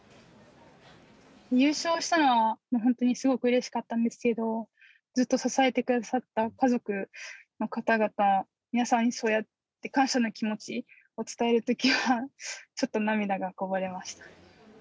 優勝したのは本当にすごくうれしかったんですけど、ずっと支えてくださった家族の方々、皆さんにそうやって感謝の気持ちを伝えるときは、ちょっと涙がこぼれました。